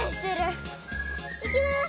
いきます！